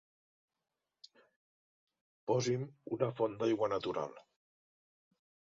Posi'm una font d'aigua natural.